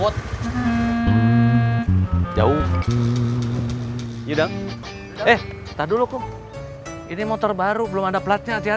tinggal di luar negeri teh berat cu